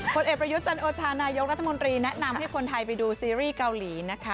เอกประยุทธ์จันโอชานายกรัฐมนตรีแนะนำให้คนไทยไปดูซีรีส์เกาหลีนะคะ